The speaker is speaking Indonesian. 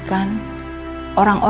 faktor teroh hal ini